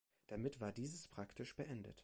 Damit war dieses praktisch beendet.